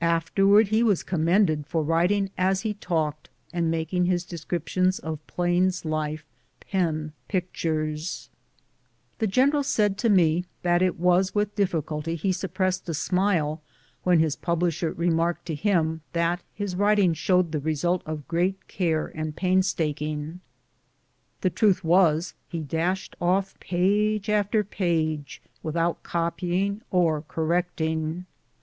Afterwards he was commended for writing as he talked, and making his descriptions of plains life " pen pictures." GENERAL CUSTER'S LITERARY WORK. 151 The general said to me that it was with difficulty he suppressed a suiile when his publisher remarked to him that his writing showed the result of great care and painstaking. The truth was, he dashed off page after page without copying or correcting.